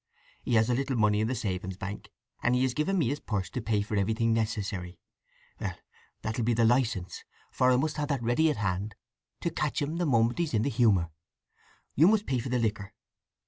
He has a little money in the savings bank, and he has given me his purse to pay for anything necessary. Well, that will be the licence; for I must have that ready at hand, to catch him the moment he's in the humour. You must pay for the liquor.